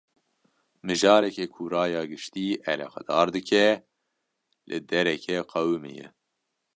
Mijareke ku raya giştî eleqedar dike, li derekê qewimiye